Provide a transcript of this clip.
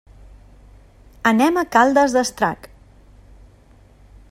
Anem a Caldes d'Estrac.